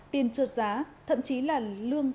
tiền trượt giá thậm chí là lương